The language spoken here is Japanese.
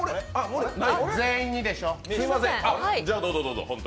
全員にでしょ！